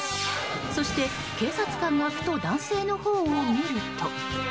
そして、警察官がふと男性のほうを見ると。